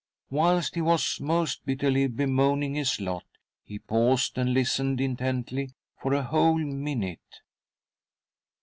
Whilst he was most bitterly bemoaning his lot, he paused and listened intently for a whole minute.